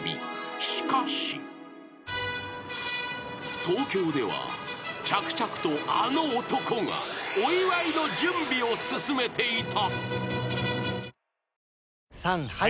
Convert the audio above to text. ［しかし］［東京では着々とあの男がお祝いの準備を進めていた］